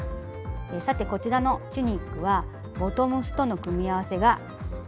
さてこちらのチュニックはボトムスとの組み合わせが楽しめます。